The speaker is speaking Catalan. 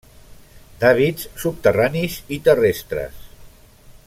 D'hàbits subterranis i terrestres.